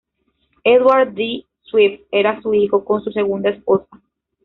Edward D. Swift era su hijo con su segunda esposa.